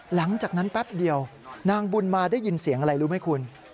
หลังจากนั้นแป๊บเดียวนางบุญมาได้ยินเสียงอะไรรู้ไหมคุณ